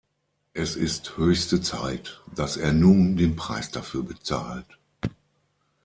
Es ist höchste Zeit, dass er nun den Preis dafür bezahlt.